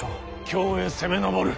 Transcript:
京へ攻め上る。